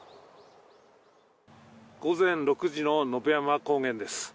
午前６時の野辺山高原です。